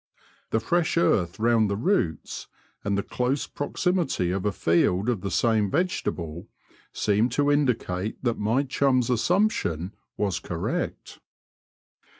'* The fresh earth round the roots, and the close proximity of a field of the same vegetable, seemed to indicate that my chum's assumption was correct.